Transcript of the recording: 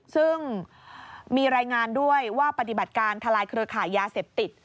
ซึ่งมีรายงานด้วยว่าปฏิบัติการทลายเครือขายยาเสพติด